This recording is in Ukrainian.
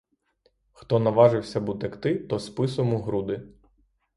Хто наважився б утекти, то списом у груди!